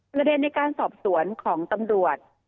ประเด็นในการสอบสวนของตำรวจ